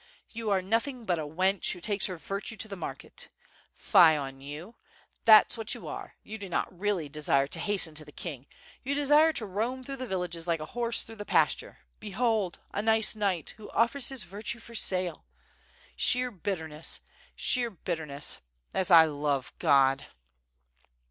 You are nothing but a wench who takes her viri; ue to the market. Fie on you! that's what you are, you do not really desire to hasten to the king, you desire to roam through the villages like a horse through the pasture, behold! a nice knight, who offers his viriaie for sale! Sheer bitterness! sheer bitterness! as I love God."